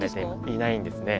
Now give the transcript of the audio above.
いないんですね。